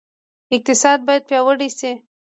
اقتصاد باید پیاوړی شي